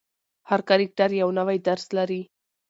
هر کرکټر یو نوی درس لري.